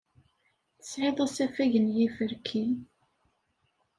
Tesɛiḍ asafag n yiferki.